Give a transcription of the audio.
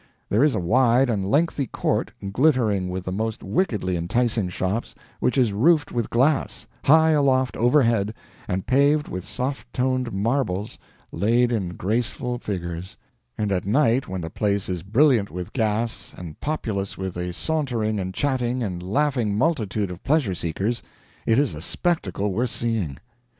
There is a wide and lengthy court, glittering with the most wickedly enticing shops, which is roofed with glass, high aloft overhead, and paved with soft toned marbles laid in graceful figures; and at night when the place is brilliant with gas and populous with a sauntering and chatting and laughing multitude of pleasure seekers, it is a spectacle worth seeing.